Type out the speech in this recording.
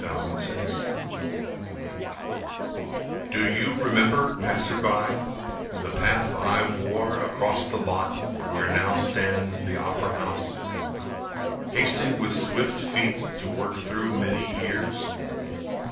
James Garber Do you remember, passer by, the path I wore across the lot where now stands the opera house Hasting with swift feet to work through many years?